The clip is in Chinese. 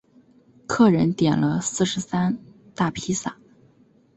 客人点了四十三大披萨